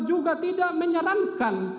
juga tidak menyarankan